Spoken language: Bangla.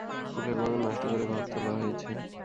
ফুলের বাগান নষ্ট করে ঘর তোলা হয়েছে।